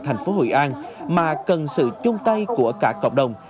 thành phố hội an mà cần sự chung tay của cả cộng đồng